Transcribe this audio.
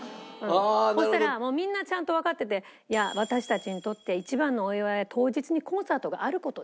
そしたらもうみんなちゃんとわかってて「いや私たちにとって一番のお祝いは当日にコンサートがある事です」と。